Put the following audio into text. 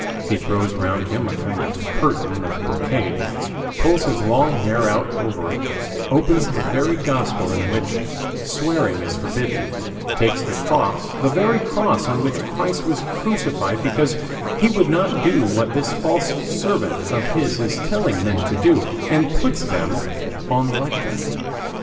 He throws round him a kind of curtain of brocade, pulls his long hair out over it, opens the very Gospel in which swearing is forbidden, takes the cross, the very cross on which Christ was crucified because he would not do what this false servant of his is telling men to do, and puts them on the lectern.